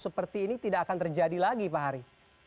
seperti ini tidak akan terjadi lagi pak hari